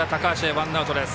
ワンアウトです。